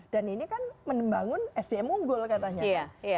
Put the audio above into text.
dan ini kan menembangun sdm unggul katanya